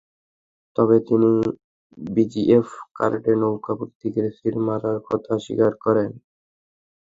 তবে তিনি ভিজিএফ কার্ডে নৌকা প্রতীকের সিল মারার কথা স্বীকার করেন।